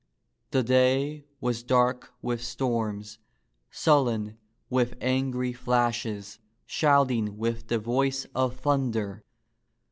The day was dark with storms, sullen with angry flashes, shouting with the voice of thunder.